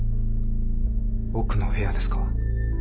奥の部屋ですか？